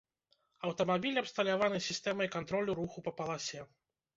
Аўтамабіль абсталяваны сістэмай кантролю руху па паласе.